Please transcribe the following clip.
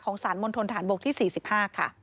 ของสารมนตรฐานบกที่๔๕ค่ะ